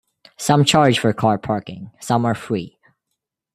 Some charge for car parking, some are free.